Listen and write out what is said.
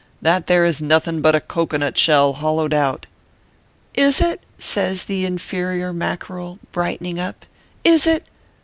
that there is nothing but a cocoanut sheli hollowed out." " Is it ?" says the inferior Mackerel, brightening up, " is it